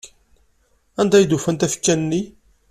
Anda d ufan tafekka-nni?